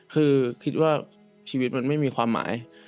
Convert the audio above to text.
คือคิดว่าชีวิตมันไม่มีความหมาย